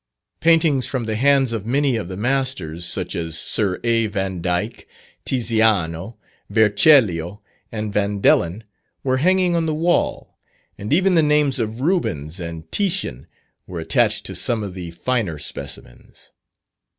Paintings from the hands of many of the masters, such as Sir A. Vandyke, Tiziano, Vercellio and Van Dellen, were hanging on the wall, and even the names of Reubens, and Titian, were attached to some of the finer specimens.